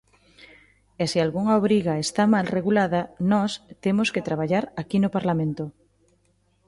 E se algunha obriga está mal regulada nós temos que traballar aquí no Parlamento.